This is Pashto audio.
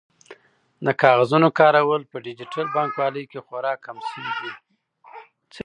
د کاغذونو کارول په ډیجیټل بانکوالۍ کې خورا کم شوي دي.